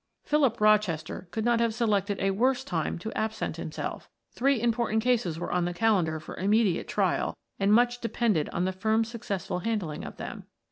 Philip Rochester could not have selected a worse time to absent himself; three important cases were on the calendar for immediate trial and much depended on the firm's successful handling of them.